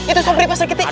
itu sobri pak sarkiti